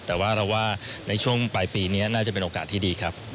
แต่ว่าเราว่าในช่วงปลายปีนี้น่าจะเป็นโอกาสที่ดีครับ